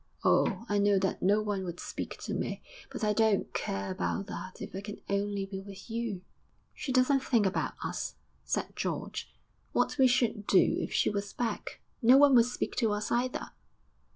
Oh, I know that no one would speak to me; but I don't care about that, if I can only be with you!'_ 'She doesn't think about us,' said George 'what we should do if she was back. No one would speak to us either.'